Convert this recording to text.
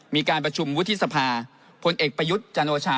มีการประชุมวุฒิสภาพลเอกประยุทธ์จันโอชา